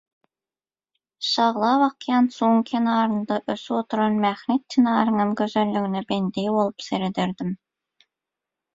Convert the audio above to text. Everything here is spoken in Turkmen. Şaglap akýan suwuň kenarynda ösüp oturan mähnet çynaryňam gözelligine bendi bolup serederdim.